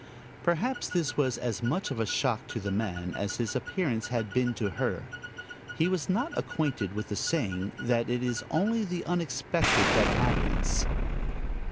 Perhaps this was as much of a shock to the man as his appearance had been to her. He was not acquainted with the saying that it is only the unexpected that happens.